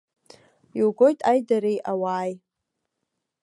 Иугоит аидареи ауааи.